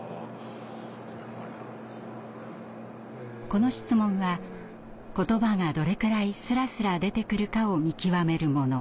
この質問は言葉がどれくらいスラスラ出てくるかを見極めるもの。